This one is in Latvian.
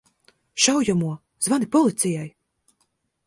Šaujamo! Zvani policijai!